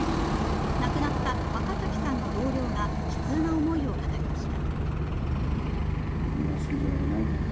亡くなった若崎さんの同僚が悲痛な思いを語りました。